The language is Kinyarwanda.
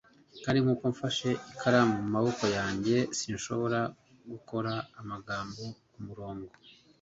kandi nkuko mfashe ikaramu mumaboko yanjye sinshobora gukora amagambo kumurongo